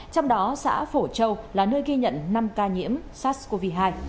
trong đó xã phổ châu là nơi ghi nhận năm ca nhiễm sars cov hai